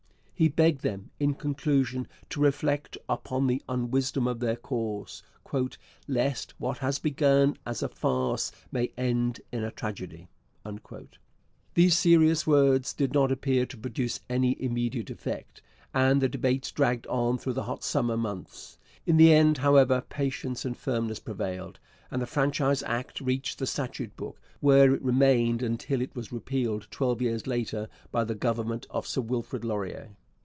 He begged them, in conclusion, to reflect upon the unwisdom of their course, 'lest what has begun as a farce may end in a tragedy.' These serious words did not appear to produce any immediate effect, and the debates dragged on through the hot summer months. In the end, however, patience and firmness prevailed, and the Franchise Act reached the statute book, where it remained until it was repealed twelve years later by the Government of Sir Wilfrid Laurier.